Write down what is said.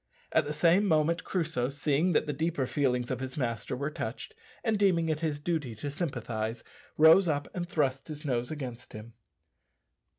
At the same moment Crusoe, seeing that the deeper feelings of his master were touched, and deeming it his duty to sympathize, rose up and thrust his nose against him.